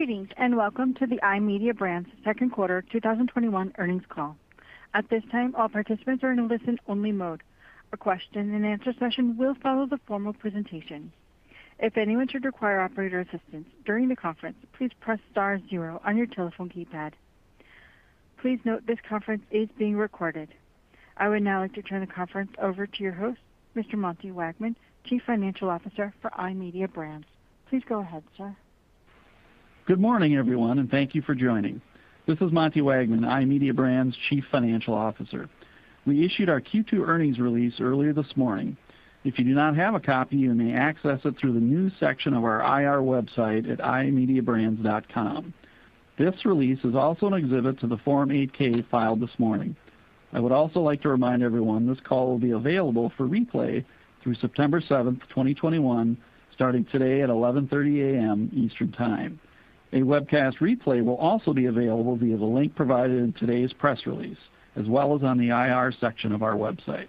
Greetings, welcome to the iMedia Brands second quarter 2021 earnings call. At this time, all participants are in a listen-only mode. A question and answer session will follow the formal presentation. If anyone should require operator assistance during the conference, please press star zero on your telephone keypad. Please note this conference is being recorded. I would now like to turn the conference over to your host, Mr. Monty Wageman, Chief Financial Officer for iMedia Brands. Please go ahead, sir. Good morning, everyone, and thank you for joining. This is Monty Wageman, iMedia Brands' Chief Financial Officer. We issued our Q2 earnings release earlier this morning. If you do not have a copy, you may access it through the news section of our IR website at imediabrands.com. This release is also an exhibit to the Form 8-K filed this morning. I would also like to remind everyone this call will be available for replay through September 7th, 2021, starting today at 11:30 A.M. Eastern Time. A webcast replay will also be available via the link provided in today's press release, as well as on the IR section of our website.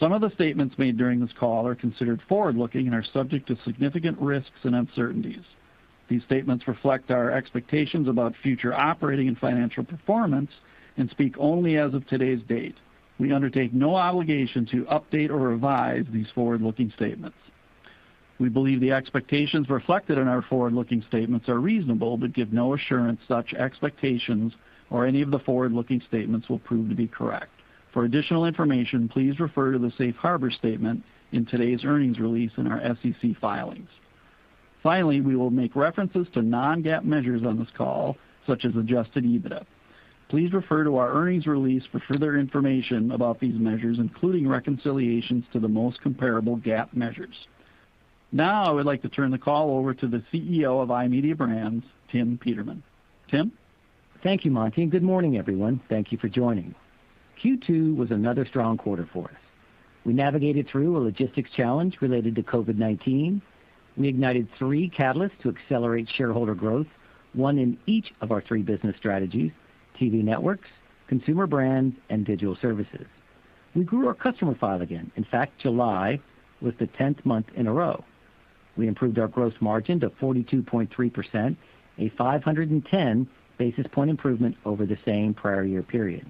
Some of the statements made during this call are considered forward-looking and are subject to significant risks and uncertainties. These statements reflect our expectations about future operating and financial performance and speak only as of today's date. We undertake no obligation to update or revise these forward-looking statements. We believe the expectations reflected in our forward-looking statements are reasonable but give no assurance such expectations or any of the forward-looking statements will prove to be correct. For additional information, please refer to the Safe Harbor statement in today's earnings release in our SEC filings. Finally, we will make references to non-GAAP measures on this call, such as adjusted EBITDA. Please refer to our earnings release for further information about these measures, including reconciliations to the most comparable GAAP measures. Now, I would like to turn the call over to the CEO of iMedia Brands, Tim Peterman. Tim? Thank you, Monty, and good morning, everyone. Thank you for joining. Q2 was another strong quarter for us. We navigated through a logistics challenge related to COVID-19. We ignited three catalysts to accelerate shareholder growth, one in each of our three business strategies, TV networks, consumer brands, and digital services. We grew our customer file again. In fact, July was the 10th month in a row. We improved our gross margin to 42.3%, a 510 basis point improvement over the same prior year period.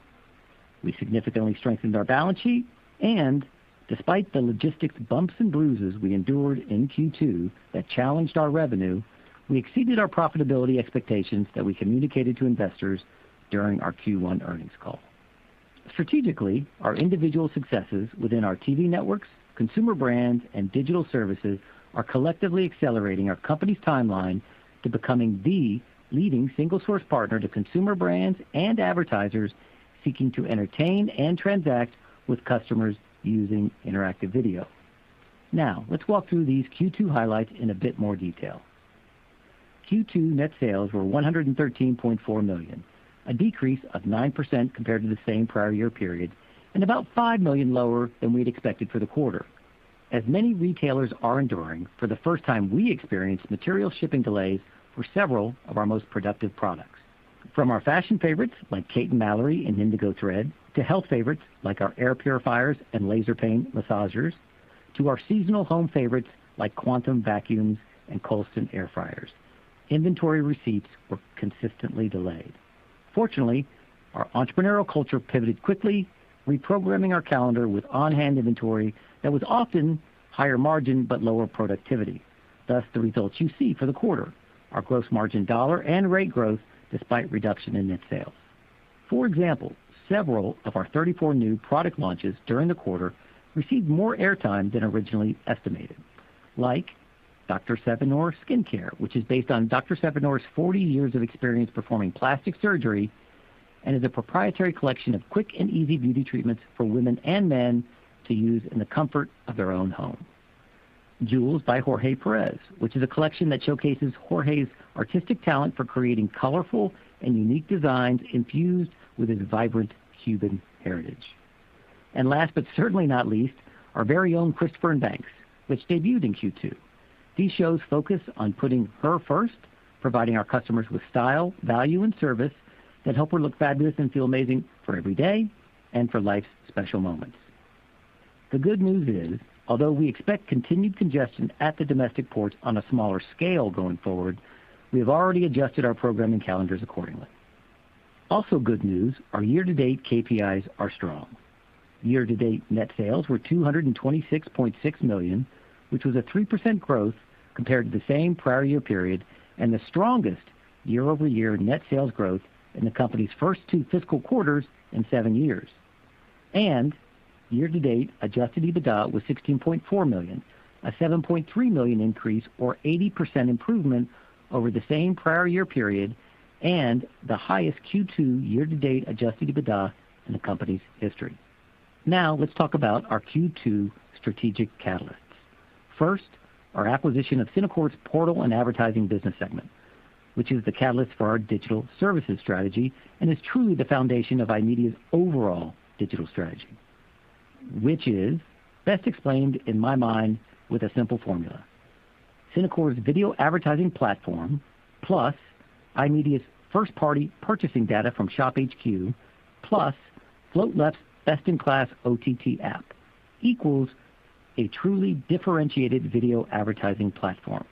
We significantly strengthened our balance sheet, and despite the logistics bumps and bruises we endured in Q2 that challenged our revenue, we exceeded our profitability expectations that we communicated to investors during our Q1 earnings call. Strategically, our individual successes within our TV networks, consumer brands, and digital services are collectively accelerating our company's timeline to becoming the leading single-source partner to consumer brands and advertisers seeking to entertain and transact with customers using interactive video. Now, let's walk through these Q2 highlights in a bit more detail. Q2 net sales were $113.4 million, a decrease of 9% compared to the same prior year period, and about $5 million lower than we'd expected for the quarter. As many retailers are enduring, for the first time, we experienced material shipping delays for several of our most productive products. From our fashion favorites like Kate & Mallory and Indigo Thread, to health favorites like our air purifiers and laser pain massagers, to our seasonal home favorites like Quantum vacuums and Colston air fryers. Inventory receipts were consistently delayed. Fortunately, our entrepreneurial culture pivoted quickly, reprogramming our calendar with on-hand inventory that was often higher margin but lower productivity, thus the results you see for the quarter, our gross margin dollar and rate growth despite reduction in net sales. For example, several of our 34 new product launches during the quarter received more airtime than originally estimated, like Dr. Sparano Skincare, which is based on Dr. Sparano's 40 years of experience performing plastic surgery and is a proprietary collection of quick and easy beauty treatments for women and men to use in the comfort of their own home. Jewels by Jorge Perez, which is a collection that showcases Jorge's artistic talent for creating colorful and unique designs infused with his vibrant Cuban heritage. Last but certainly not least, our very own Christopher & Banks, which debuted in Q2. These shows focus on putting her first, providing our customers with style, value, and service that help her look fabulous and feel amazing for every day and for life's special moments. Good news, although we expect continued congestion at the domestic ports on a smaller scale going forward, we have already adjusted our programming calendars accordingly. Good news, our year-to-date KPIs are strong. Year-to-date net sales were $226.6 million, which was a 3% growth compared to the same prior year period and the strongest year-over-year net sales growth in the company's first two fiscal quarters in seven years. Year-to-date adjusted EBITDA was $16.4 million, a $7.3 million increase or 80% improvement over the same prior year period and the highest Q2 year-to-date adjusted EBITDA in the company's history. Let's talk about our Q2 strategic catalysts. First, our acquisition of Synacor's portal and advertising business segment, which is the catalyst for our digital services strategy and is truly the foundation of iMedia's overall digital strategy. Which is best explained in my mind with a simple formula. Synacor's video advertising platform, plus iMedia's first-party purchasing data from ShopHQ, plus Float Left's best-in-class OTT app equals a truly differentiated video advertising platform.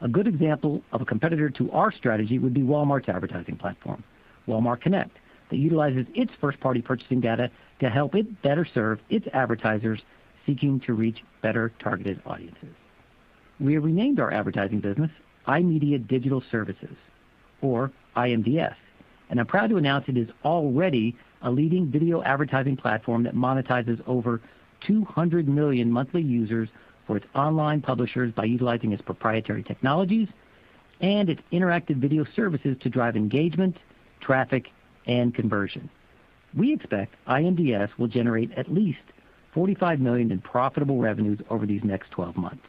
A good example of a competitor to our strategy would be Walmart's advertising platform, Walmart Connect, that utilizes its first-party purchasing data to help it better serve its advertisers seeking to reach better targeted audiences. We have renamed our advertising business iMedia Digital Services or IMDS, and I'm proud to announce it is already a leading video advertising platform that monetizes over 200 million monthly users for its online publishers by utilizing its proprietary technologies and its interactive video services to drive engagement, traffic, and conversion. We expect IMDS will generate at least $45 million in profitable revenues over these next 12 months.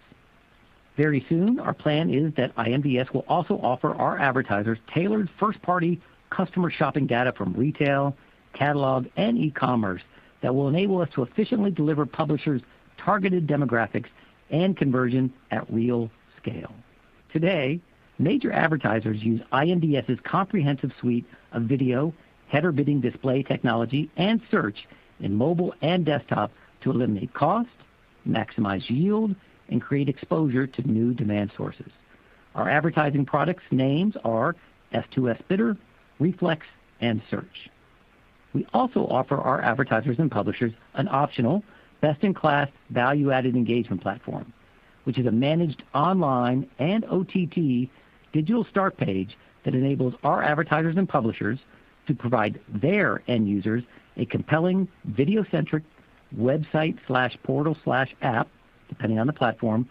Very soon, our plan is that IMDS will also offer our advertisers tailored first-party customer shopping data from retail, catalog, and e-commerce that will enable us to efficiently deliver publishers targeted demographics and conversion at real scale. Today, major advertisers use IMDS's comprehensive suite of video header bidding display technology and Search in mobile and desktop to eliminate cost, maximize yield, and create exposure to new demand sources. Our advertising products names are S2S Bidder, Reflex, and Search. We also offer our advertisers and publishers an optional best-in-class value-added engagement platform, which is a managed online and OTT digital start page that enables our advertisers and publishers to provide their end users a compelling video-centric website/portal/app, depending on the platform,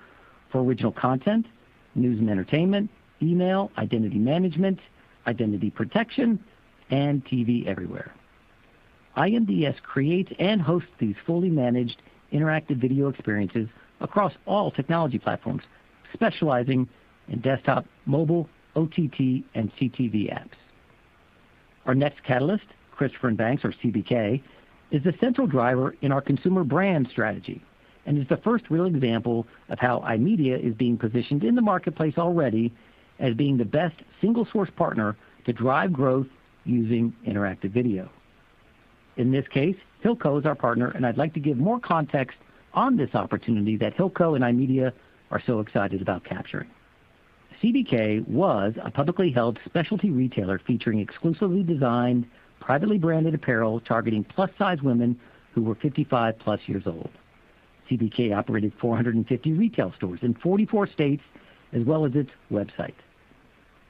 for original content, news and entertainment, email, identity management, identity protection, and TV everywhere. IMDS creates and hosts these fully managed interactive video experiences across all technology platforms, specializing in desktop, mobile, OTT, and CTV apps. Our next catalyst, Christopher & Banks, or CBK, is the central driver in our consumer brand strategy and is the first real example of how iMedia is being positioned in the marketplace already as being the best single-source partner to drive growth using interactive video. In this case, Hilco is our partner, and I'd like to give more context on this opportunity that Hilco and iMedia are so excited about capturing. CBK was a publicly held specialty retailer featuring exclusively designed, privately branded apparel targeting plus-size women who were 55+ years old. CBK operated 450 retail stores in 44 states as well as its website.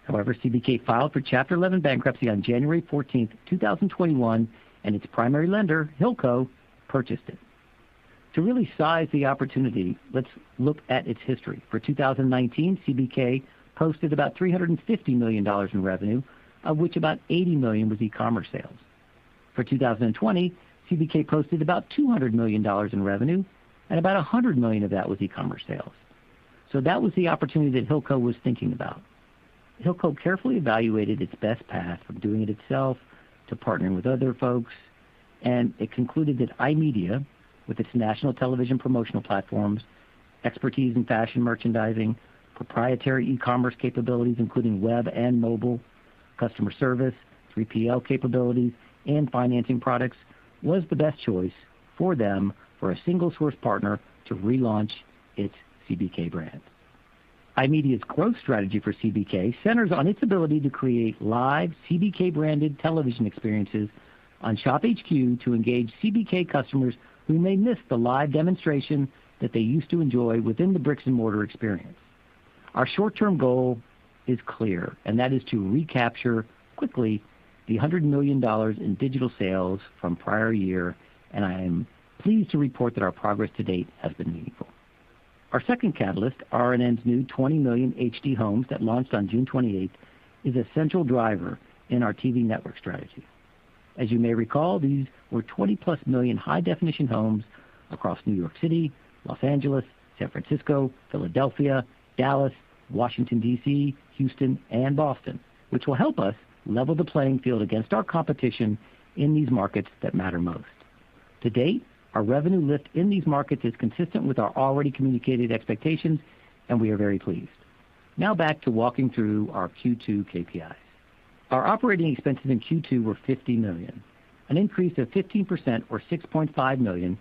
CBK filed for Chapter 11 bankruptcy on January 14th, 2021, and its primary lender, Hilco, purchased it. To really size the opportunity, let's look at its history. For 2019, CBK posted about $350 million in revenue, of which about $80 million was e-commerce sales. For 2020, CBK posted about $200 million in revenue, and about $100 million of that was e-commerce sales. That was the opportunity that Hilco was thinking about. Hilco carefully evaluated its best path from doing it itself to partnering with other folks, and it concluded that iMedia, with its national television promotional platforms, expertise in fashion merchandising, proprietary e-commerce capabilities, including web and mobile, customer service, 3PL capabilities, and financing products, was the best choice for them for a single-source partner to relaunch its CBK brand. iMedia's growth strategy for CBK centers on its ability to create live CBK-branded television experiences on ShopHQ to engage CBK customers who may miss the live demonstration that they used to enjoy within the bricks-and-mortar experience. Our short-term goal is clear, and that is to recapture, quickly, the $100 million in digital sales from prior year, and I am pleased to report that our progress to date has been meaningful. Our second catalyst, RN's new 20 million HD homes that launched on June 28th, is a central driver in our TV network strategy. As you may recall, these were 20 million+ high-definition homes across New York City, Los Angeles, San Francisco, Philadelphia, Dallas, Washington, D.C., Houston, and Boston, which will help us level the playing field against our competition in these markets that matter most. To date, our revenue lift in these markets is consistent with our already communicated expectations, and we are very pleased. Back to walking through our Q2 KPIs. Our operating expenses in Q2 were $50 million, an increase of 15% or $6.5 million,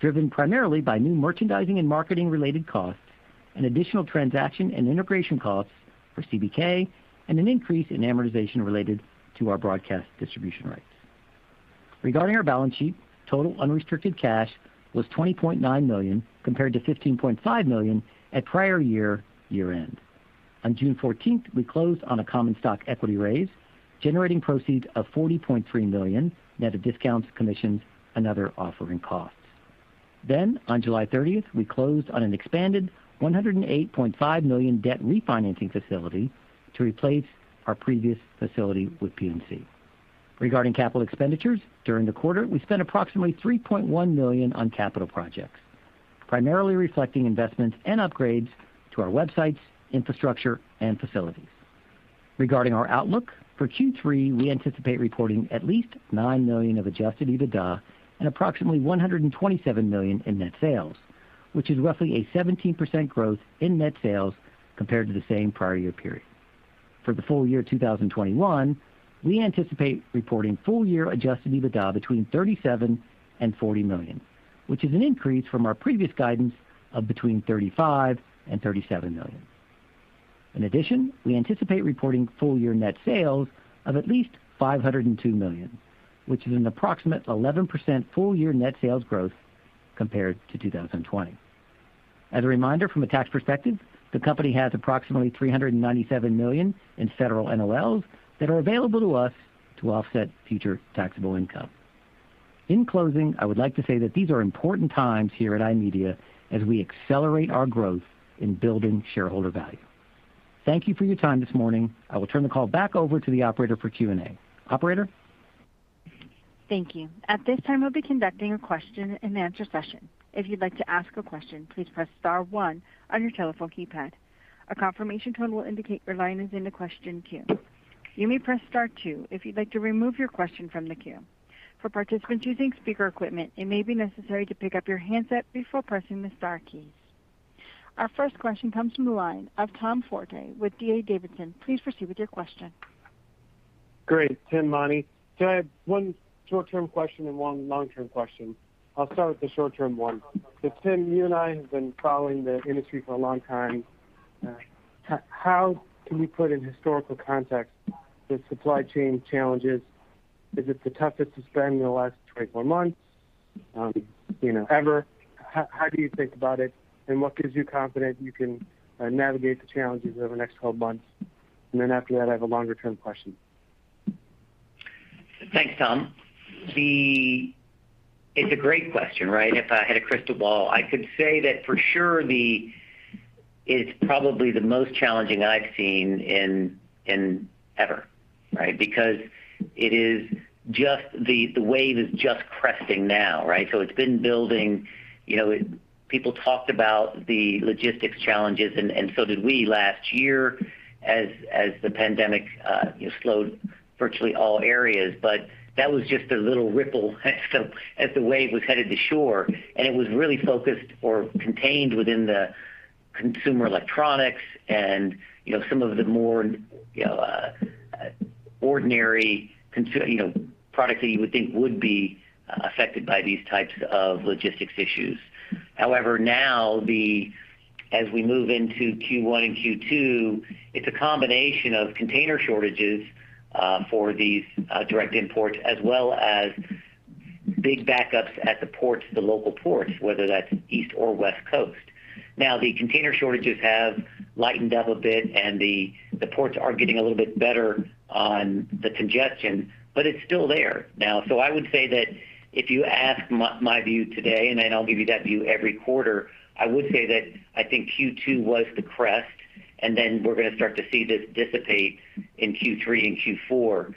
driven primarily by new merchandising and marketing related costs, and additional transaction and integration costs for CBK, and an increase in amortization related to our broadcast distribution rights. Regarding our balance sheet, total unrestricted cash was $20.9 million, compared to $15.5 million at prior year-end. On June 14th, we closed on a common stock equity raise, generating proceeds of $40.3 million, net of discounts, commissions, and other offering costs. On July 30th, we closed on an expanded $108.5 million debt refinancing facility to replace our previous facility with PNC. Regarding capital expenditures, during the quarter, we spent approximately $3.1 million on capital projects, primarily reflecting investments and upgrades to our websites, infrastructure, and facilities. Regarding our outlook for Q3, we anticipate reporting at least $9 million of adjusted EBITDA and approximately $127 million in net sales, which is roughly a 17% growth in net sales compared to the same prior year period. For the full year 2021, we anticipate reporting full-year adjusted EBITDA between $37 million and $40 million, which is an increase from our previous guidance of between $35 million and $37 million. In addition, we anticipate reporting full-year net sales of at least $502 million, which is an approximate 11% full-year net sales growth compared to 2020. As a reminder, from a tax perspective, the company has approximately $397 million in federal NOLs that are available to us to offset future taxable income. In closing, I would like to say that these are important times here at iMedia as we accelerate our growth in building shareholder value. Thank you for your time this morning. I will turn the call back over to the operator for Q&A. Operator? Thank you. At this time, we'll be conducting a question-and-answer session. If you'd like to ask a question, please press star one on your telephone keypad. A confirmation tone will indicate your line is in the question queue. You may press star two if you'd like to remove your question from the queue. For participants using speaker equipment, it may be necessary to pick up your handset before pressing the star keys. Our first question comes from the line of Tom Forte with D.A. Davidson. Please proceed with your question. Great, Tim, Monty. Can I have one short-term question and one long-term question? I'll start with the short-term one. Tim, you and I have been following the industry for a long time. How can we put in historical context the supply chain challenges? Is it the toughest to spend in the last 24 months? Ever? How do you think about it, and what gives you confidence you can navigate the challenges over the next 12 months? After that, I have a longer-term question. Thanks, Tom. It's a great question. If I had a crystal ball, I could say that for sure. It's probably the most challenging I've seen in ever. The wave is just cresting now. It's been building. People talked about the logistics challenges, and so did we last year as the pandemic slowed virtually all areas. That was just a little ripple as the wave was headed to shore, and it was really focused or contained within the consumer electronics and some of the more ordinary products that you would think would be affected by these types of logistics issues. However, now, as we move into Q1 and Q2, it's a combination of container shortages for these direct imports, as well as big backups at the local ports, whether that's East or West Coast. The container shortages have lightened up a bit, and the ports are getting a little bit better on the congestion, but it's still there. I would say that if you ask my view today, and I'll give you that view every quarter, I would say that I think Q2 was the crest, and we're going to start to see this dissipate in Q3 and Q4.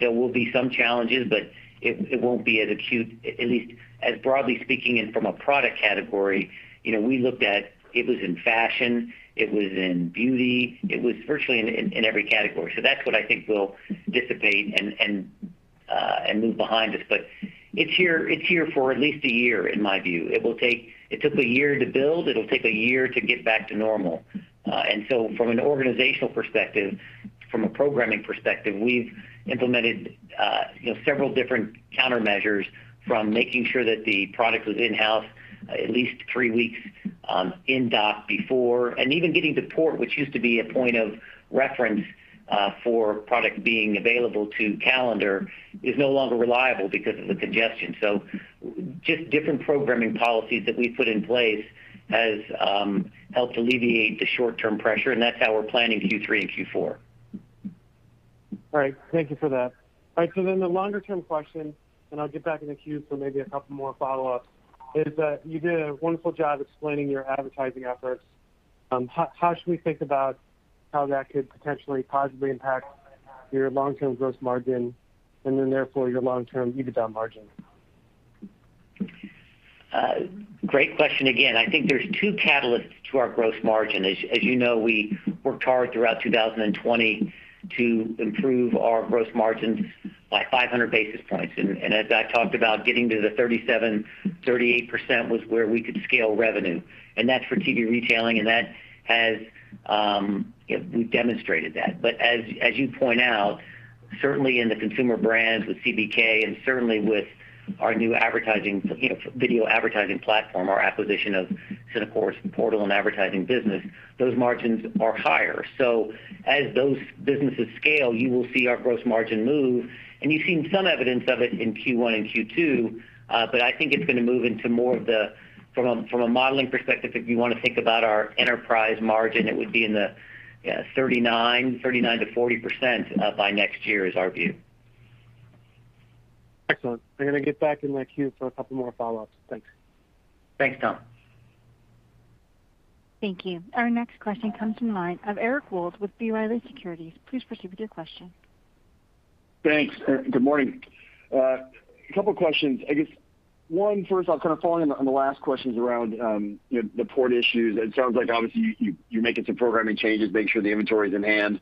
There will be some challenges, but it won't be as acute, at least as broadly speaking and from a product category. We looked at, it was in fashion, it was in beauty, it was virtually in every category. That's what I think will dissipate and move behind us. It's here for at least a year, in my view. It took a year to build, it'll take a year to get back to normal. From an organizational perspective, from a programming perspective, we've implemented several different countermeasures from making sure that the product was in-house at least three weeks in dock before. Even getting to port, which used to be a point of reference for product being available to calendar, is no longer reliable because of the congestion. Just different programming policies that we've put in place has helped alleviate the short-term pressure, and that's how we're planning Q3 and Q4. All right. Thank you for that. All right, the longer-term question, then I'll get back in the queue for maybe a couple more follow-ups, is that you did a wonderful job explaining your advertising efforts. How should we think about how that could potentially positively impact your long-term gross margin, and then therefore your long-term EBITDA margin? Great question. I think there's two catalysts to our gross margin. As you know, we worked hard throughout 2020 to improve our gross margins by 500 basis points. As I talked about, getting to the 37%-38% was where we could scale revenue. That's for TV retailing, and we've demonstrated that. As you point out, certainly in the consumer brands with CBK and certainly with our new video advertising platform, our acquisition of Synacor's portal and advertising business, those margins are higher. As those businesses scale, you will see our gross margin move, and you've seen some evidence of it in Q1 and Q2. I think it's going to move into more of the, from a modeling perspective, if you want to think about our enterprise margin, it would be in the 39%-40% by next year, is our view. Excellent. I'm going to get back in the queue for a couple more follow-ups. Thanks. Thanks, Tom. Thank you. Our next question comes from the line of Eric Wold with B. Riley Securities. Please proceed with your question. Thanks. Good morning. Couple of questions. I guess one, first, I was kind of following on the last questions around the port issues. It sounds like obviously you're making some programming changes, making sure the inventory's in hand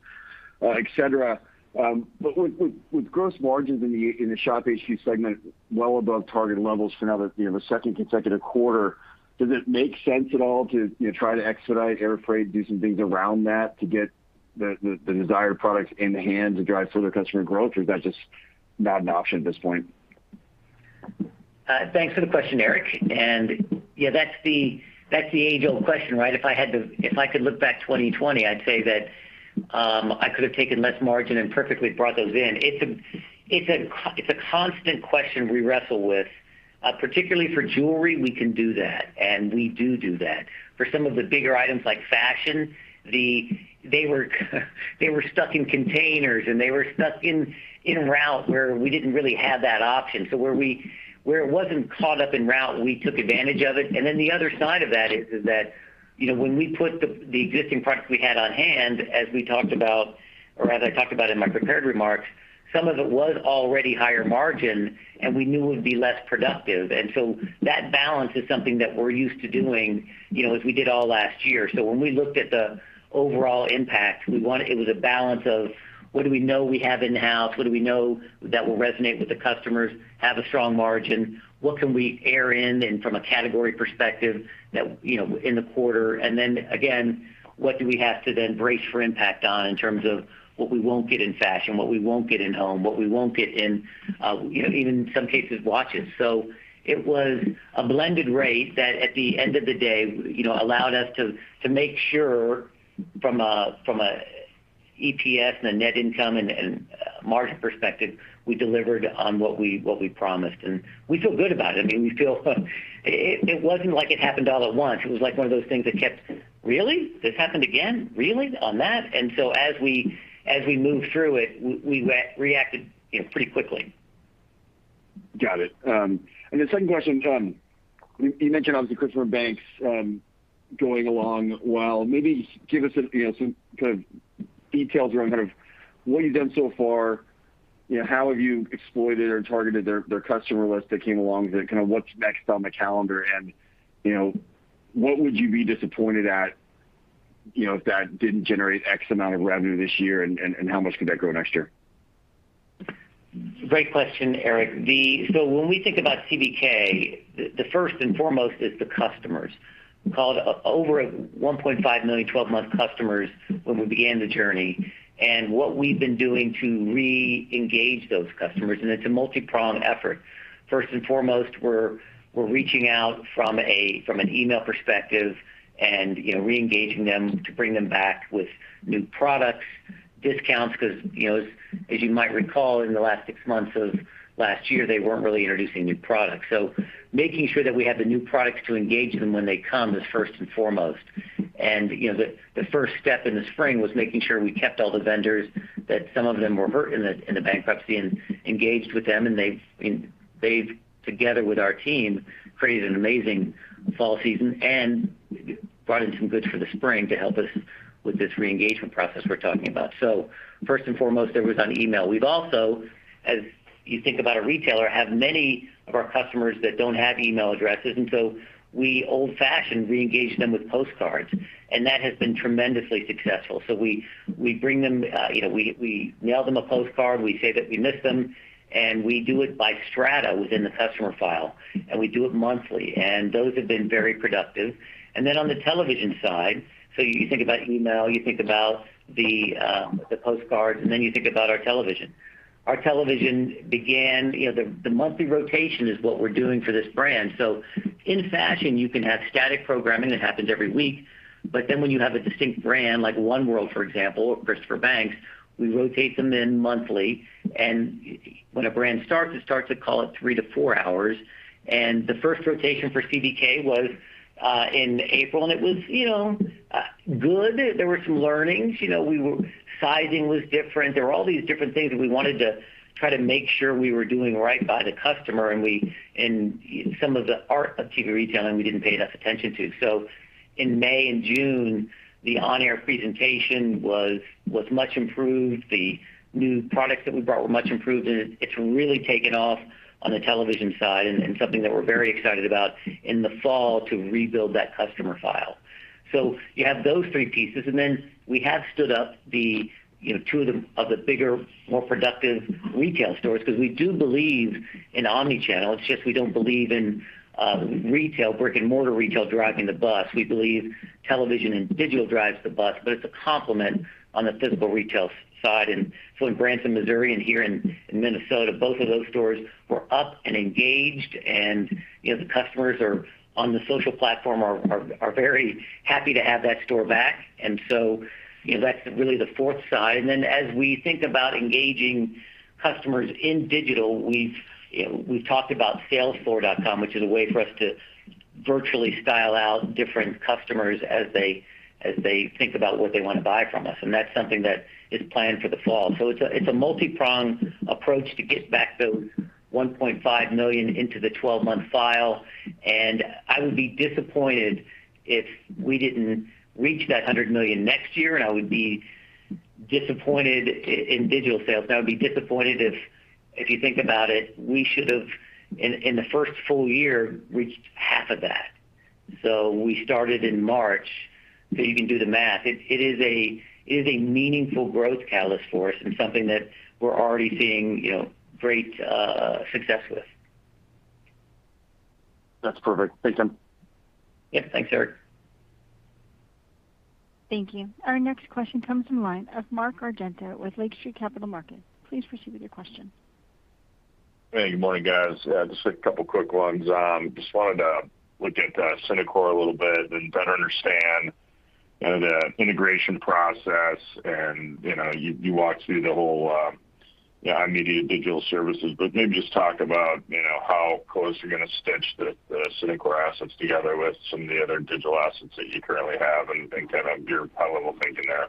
et cetera. With gross margins in the ShopHQ segment well above target levels for now, the second consecutive quarter, does it make sense at all to try to expedite air freight, do some things around that to get the desired products in hand to drive further customer growth? Is that just not an option at this point? Thanks for the question, Eric. Yeah, that's the age-old question, right? If I could look back 2020, I'd say that I could have taken less margin and perfectly brought those in. It's a constant question we wrestle with. Particularly for jewelry, we can do that, and we do that. For some of the bigger items like fashion, they were stuck in containers, and they were stuck en route where we didn't really have that option. Where it wasn't caught up en route, we took advantage of it. Then the other side of that is that, when we put the existing products we had on hand, as we talked about, or as I talked about in my prepared remarks, some of it was already higher margin, and we knew it would be less productive. That balance is something that we're used to doing, as we did all last year. When we looked at the overall impact, it was a balance of, what do we know we have in-house? What do we know that will resonate with the customers, have a strong margin? What can we air in and from a category perspective in the quarter? Then again, what do we have to then brace for impact on in terms of what we won't get in fashion, what we won't get in home, what we won't get in, even in some cases, watches. It was a blended rate that at the end of the day, allowed us to make sure from a EPS and a net income and margin perspective, we delivered on what we promised. We feel good about it. I mean, we feel it wasn't like it happened all at once. It was like one of those things that kept, "Really? This happened again? Really, on that?" As we moved through it, we reacted pretty quickly. Got it. The second question, you mentioned obviously Christopher & Banks going along well. Maybe give us some kind of details around what you've done so far. How have you exploited or targeted their customer list that came along? What's next on the calendar, and what would you be disappointed at if that didn't generate X amount of revenue this year, and how much could that grow next year? Great question, Eric. When we think about CBK, the first and foremost is the customers. Called over 1.5 million 12-month customers when we began the journey. What we've been doing to re-engage those customers, and it's a multipronged effort. First and foremost, we're reaching out from an email perspective and re-engaging them to bring them back with new products, discounts, because, as you might recall, in the last six months of last year, they weren't really introducing new products. Making sure that we have the new products to engage them when they come is first and foremost. The first step in the spring was making sure we kept all the vendors, that some of them were hurt in the bankruptcy, and engaged with them, and they've, together with our team, created an amazing fall season and brought in some goods for the spring to help us with this re-engagement process we're talking about. First and foremost, it was on email. We've also, as you think about a retailer, have many of our customers that don't have email addresses, we old-fashioned, re-engaged them with postcards, and that has been tremendously successful. We mail them a postcard, we say that we miss them, and we do it by strata within the customer file, and we do it monthly, and those have been very productive. On the television side, you think about email, you think about the postcards, you think about our television. Our television began. The monthly rotation is what we're doing for this brand. In fashion, you can have static programming that happens every week. When you have a distinct brand, like One World, for example, or Christopher & Banks, we rotate them in monthly. When a brand starts, it starts at, call it three to four hours. The first rotation for CBK was in April, and it was good. There were some learnings. Sizing was different. There were all these different things that we wanted to try to make sure we were doing right by the customer, and some of the art of TV retailing, we didn't pay enough attention to. In May and June, the on-air presentation was much improved. The new products that we brought were much improved, and it's really taken off on the television side and something that we're very excited about in the fall to rebuild that customer file. You have those three pieces, and then we have stood up two of the bigger, more productive retail stores, because we do believe in omni-channel. It's just we don't believe in brick-and-mortar retail driving the bus. We believe television and digital drives the bus, but it's a complement on the physical retail side. In Branson, Missouri, and here in Minnesota, both of those stores were up and engaged, and the customers on the social platform are very happy to have that store back. That's really the fourth side. Then as we think about engaging customers in digital, we've talked about Salesfloor, which is a way for us to virtually style out different customers as they think about what they want to buy from us. That's something that is planned for the fall. It's a multipronged approach to get back those 1.5 million into the 12-month file. I would be disappointed if we didn't reach that $100 million next year, and I would be disappointed in digital sales. I would be disappointed if you think about it, we should have, in the first full year, reached half of that. We started in March, you can do the math. It is a meaningful growth catalyst for us and something that we're already seeing great success with. That's perfect. Thanks, Tim. Yeah. Thanks, Eric. Thank you. Our next question comes from the line of Mark Argento with Lake Street Capital Markets. Please proceed with your question. Hey, good morning, guys. Yeah, just a couple quick ones. Just wanted to look at Synacor a little bit and better understand the integration process and you walked through the whole iMedia Digital Services, but maybe just talk about how close you're going to stitch the Synacor assets together with some of the other digital assets that you currently have and kind of your high-level thinking there.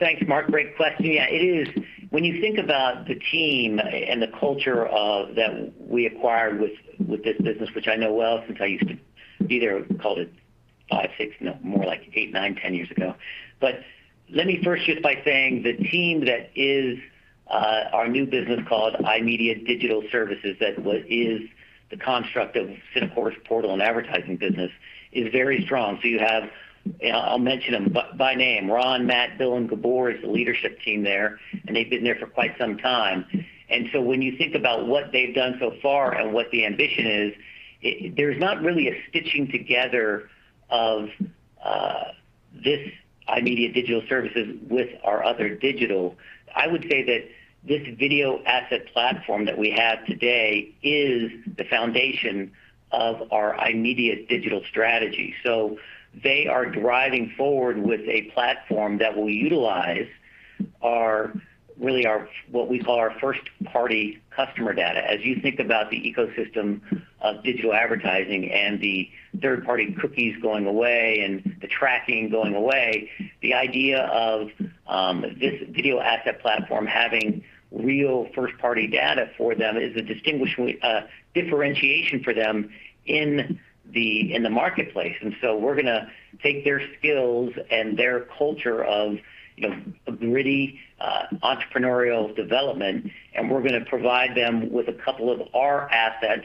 Thanks, Mark. Great question. Yeah, it is. When you think about the team and the culture that we acquired with this business, which I know well since I used to be there, call it five, six, no, more like eight, nine, 10 years ago. Let me first start by saying the team that is our new business called iMedia Digital Services, that is the construct of Synacor's portal and advertising business, is very strong. You have, I'll mention them by name, Ron, Matt, Bill, and Gabor is the leadership team there, and they've been there for quite some time. When you think about what they've done so far and what the ambition is, there's not really a stitching together of this iMedia Digital Services with our other digital. I would say that this video asset platform that we have today is the foundation of our iMedia Digital strategy. They are driving forward with a platform that will utilize what we call our first-party customer data. As you think about the ecosystem of digital advertising and the third-party cookies going away and the tracking going away, the idea of this video asset platform having real first-party data for them is a differentiation for them in the marketplace. We're going to take their skills and their culture of gritty entrepreneurial development, and we're going to provide them with a couple of our assets,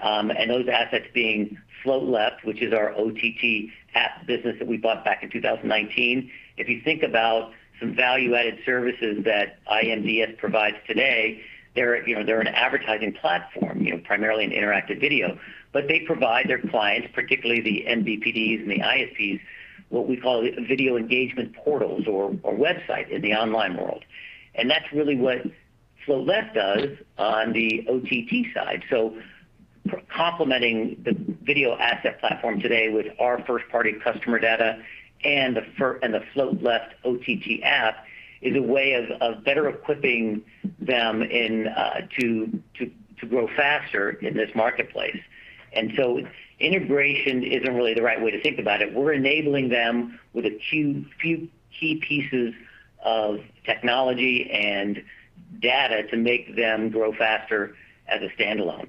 and those assets being Float Left, which is our OTT app business that we bought back in 2019. If you think about some value-added services that IMDS provides today, they're an advertising platform, primarily an interactive video. They provide their clients, particularly the MVPDs and the ISPs, what we call video engagement portals or website in the online world. That's really what Float Left does on the OTT side. Complementing the video asset platform today with our first-party customer data and the Float Left OTT app is a way of better equipping them to grow faster in this marketplace. Integration isn't really the right way to think about it. We're enabling them with a few key pieces of technology and data to make them grow faster as a standalone.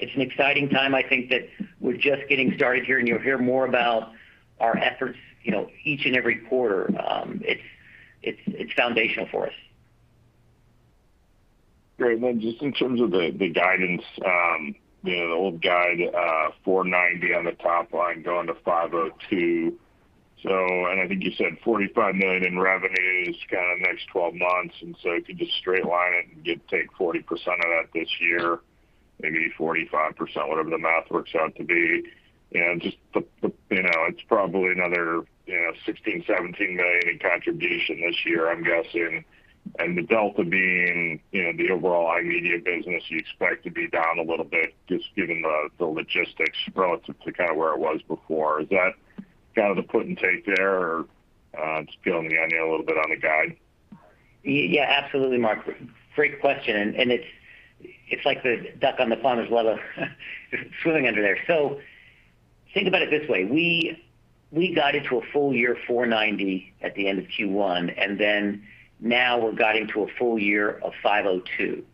It's an exciting time. I think that we're just getting started here, and you'll hear more about our efforts each and every quarter. It's foundational for us. Great. Just in terms of the guidance, the old guide, $490 million on the top line going to $502 million. I think you said $45 million in revenues kind of next 12 months. If you just straight line it and take 40% of that this year, maybe 45%, whatever the math works out to be. It's probably another $16 million-$17 million in contribution this year, I'm guessing. The delta being the overall iMedia business you expect to be down a little bit just given the logistics relative to where it was before. Is that kind of the put and take there or just peeling the onion a little bit on the guide? Yeah, absolutely, Mark. Great question. It's like the duck on the pond as well swimming under there. Think about it this way. We guided to a full year 490 at the end of Q1, now we're guiding to a full year of 502.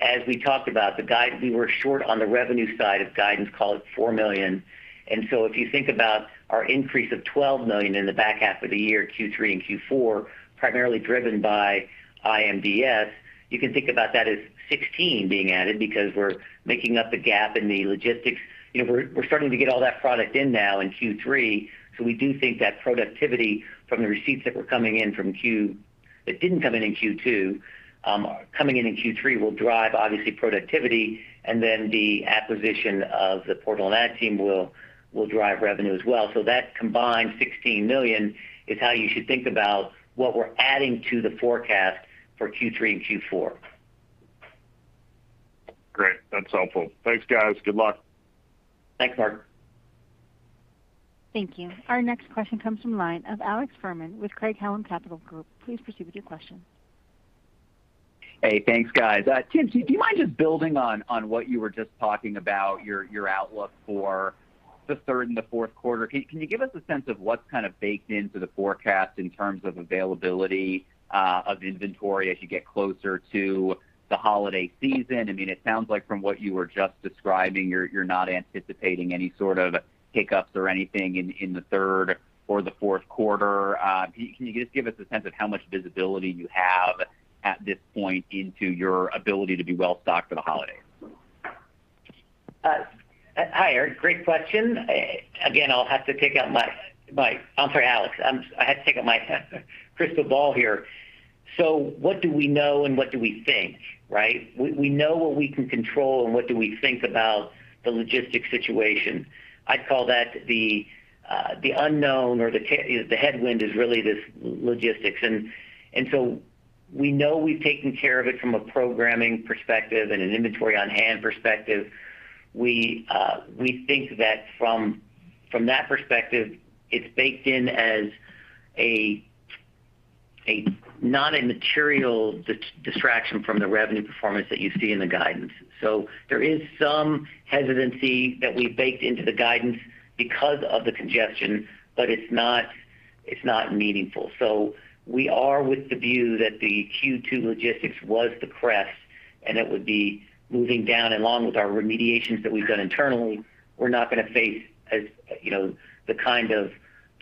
As we talked about, we were short on the revenue side of guidance, call it $4 million. If you think about our increase of $12 million in the back half of the year, Q3 and Q4, primarily driven by IMDS, you can think about that as $16 million being added because we're making up the gap in the logistics. We're starting to get all that product in now in Q3, so we do think that productivity from the receipts that didn't come in in Q2, coming in in Q3 will drive obviously productivity, and then the acquisition of the portal and ad team will drive revenue as well. That combined $16 million is how you should think about what we're adding to the forecast for Q3 and Q4. Great. That's helpful. Thanks, guys. Good luck. Thanks, Mark. Thank you. Our next question comes from the line of Alex Fuhrman with Craig-Hallum Capital Group. Please proceed with your question. Hey, thanks, guys. Tim, do you mind just building on what you were just talking about your outlook for the third and the fourth quarter? Can you give us a sense of what's kind of baked into the forecast in terms of availability of inventory as you get closer to the holiday season? It sounds like from what you were just describing, you're not anticipating any sort of hiccups or anything in the third or the fourth quarter. Can you just give us a sense of how much visibility you have at this point into your ability to be well-stocked for the holidays? Hi, Eric. Great question. Again, I'm sorry, Alex. I had to take out my crystal ball here. What do we know and what do we think, right? We know what we can control and what do we think about the logistics situation. I'd call that the unknown or the headwind is really this logistics. We know we've taken care of it from a programming perspective and an inventory on-hand perspective. We think that from that perspective, it's baked in as not a material distraction from the revenue performance that you see in the guidance. There is some hesitancy that we've baked into the guidance because of the congestion, but it's not meaningful. We are with the view that the Q2 logistics was the crest, and it would be moving down along with our remediations that we've done internally. We're not going to face the kind of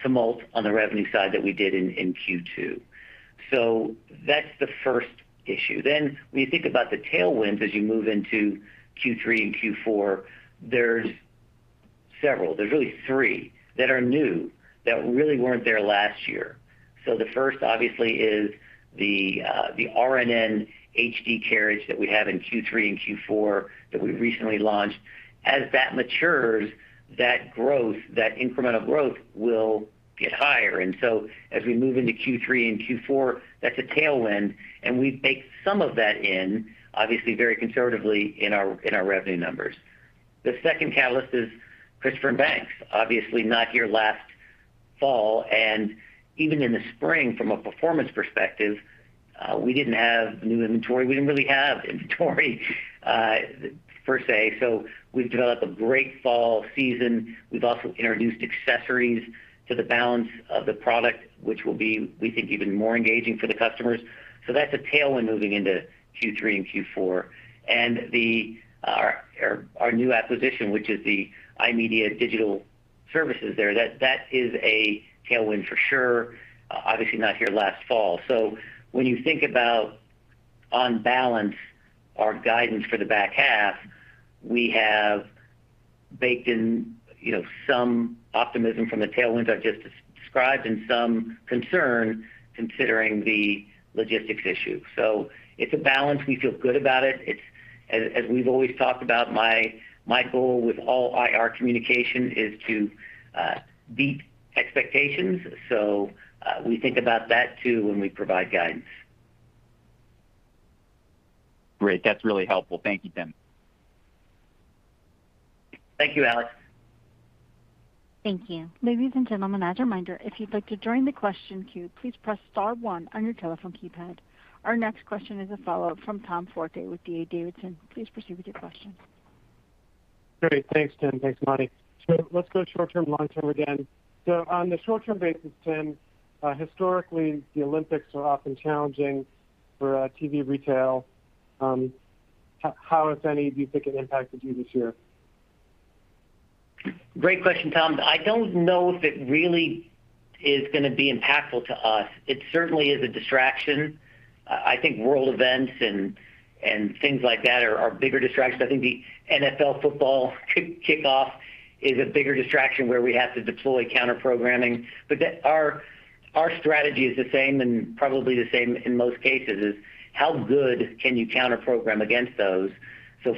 tumult on the revenue side that we did in Q2. That's the first issue. When you think about the tailwinds as you move into Q3 and Q4, there's several. There's really 3 that are new that really weren't there last year. The first, obviously, is the RNN HD carriage that we have in Q3 and Q4 that we recently launched. As that matures, that incremental growth will get higher. As we move into Q3 and Q4, that's a tailwind, and we've baked some of that in, obviously very conservatively, in our revenue numbers. The second catalyst is Christopher & Banks, obviously not here last fall, and even in the spring from a performance perspective, we didn't have new inventory. We didn't really have inventory per se. We've developed a great fall season. We've also introduced accessories to the balance of the product, which will be, we think, even more engaging for the customers. That's a tailwind moving into Q3 and Q4. Our new acquisition, which is the iMedia Digital Services there, that is a tailwind for sure. Obviously not here last fall. When you think about on balance, our guidance for the back half, we have baked in some optimism from the tailwinds I've just described and some concern considering the logistics issue. It's a balance. We feel good about it. As we've always talked about, my goal with all IR communication is to beat expectations. We think about that too when we provide guidance. Great. That's really helpful. Thank you, Tim. Thank you, Alex. Thank you. Ladies and gentlemen, as a reminder, if you'd like to join the question queue, please press star one on your telephone keypad. Our next question is a follow-up from Tom Forte with D.A. Davidson. Please proceed with your question. Great. Thanks, Tim. Thanks, Monty. Let's go short-term, long-term again. On the short-term basis, Tim, historically, the Olympics are often challenging for TV retail. How, if any, do you think it impacted you this year? Great question, Tom. I don't know if it really is going to be impactful to us. It certainly is a distraction. I think world events and things like that are bigger distractions. I think the NFL football kickoff is a bigger distraction where we have to deploy counter-programming. Our strategy is the same and probably the same in most cases, is how good can you counter-program against those.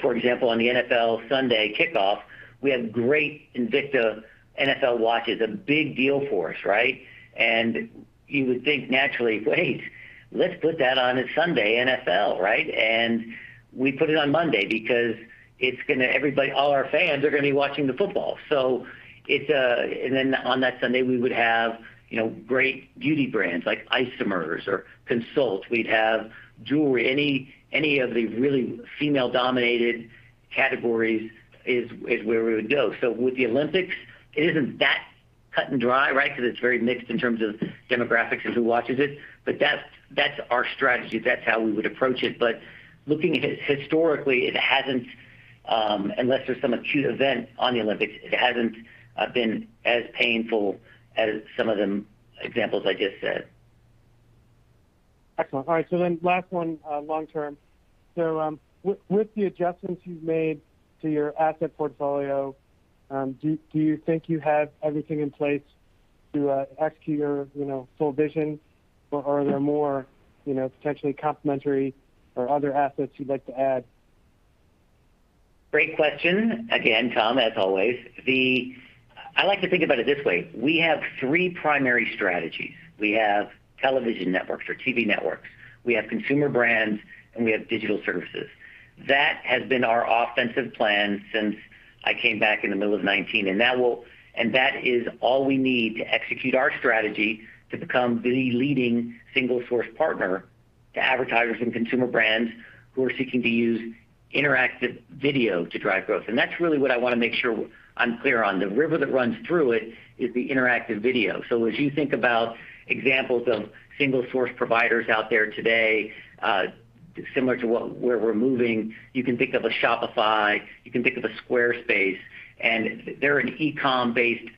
For example, on the NFL Sunday kickoff, we have great Invicta NFL watches, a big deal for us, right? You would think naturally, "Wait, let's put that on a Sunday NFL," right? We put it on Monday because all our fans are going to be watching the football. Then on that Sunday, we would have great beauty brands like Isomers or Consult. We'd have jewelry. Any of the really female-dominated categories is where we would go. With the Olympics, it isn't that cut and dry, right? Because it's very mixed in terms of demographics and who watches it. That's our strategy. That's how we would approach it. Looking historically, it hasn't, unless there's some acute event on the Olympics, it hasn't been as painful as some of the examples I just said. Excellent. All right. Last one, long term. With the adjustments you've made to your asset portfolio, do you think you have everything in place to execute your full vision, or are there more potentially complementary or other assets you'd like to add? Great question, again, Tom, as always. I like to think about it this way. We have three primary strategies. We have television networks or TV networks, we have consumer brands, and we have digital services. That has been our offensive plan since I came back in the middle of 2019. That is all we need to execute our strategy to become the leading single source partner to advertisers and consumer brands who are seeking to use interactive video to drive growth. That's really what I want to make sure I'm clear on. The river that runs through it is the interactive video. As you think about examples of single source providers out there today, similar to where we're moving, you can think of a Shopify, you can think of a Squarespace. They're an e-com based,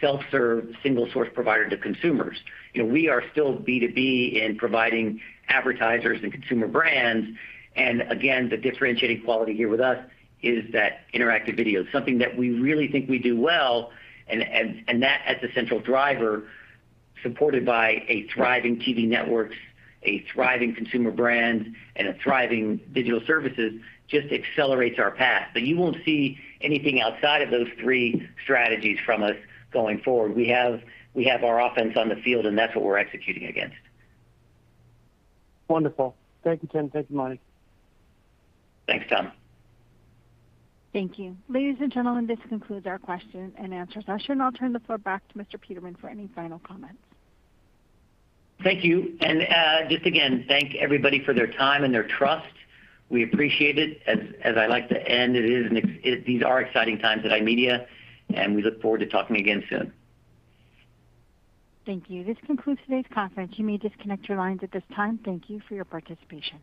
self-serve, single source provider to consumers. We are still B2B in providing advertisers and consumer brands. Again, the differentiating quality here with us is that interactive video, something that we really think we do well, and that as the central driver, supported by a thriving TV network, a thriving consumer brand, and a thriving digital services, just accelerates our path. You won't see anything outside of those three strategies from us going forward. We have our offense on the field, and that's what we're executing against. Wonderful. Thank you, Tim. Thank you, Monty. Thanks, Tom. Thank you. Ladies and gentlemen, this concludes our question and answer session. I'll turn the floor back to Mr. Peterman for any final comments. Thank you. Just again, thank everybody for their time and their trust. We appreciate it. As I like to end, these are exciting times at iMedia Brands, and we look forward to talking again soon. Thank you. This concludes today's conference. You may disconnect your lines at this time. Thank you for your participation.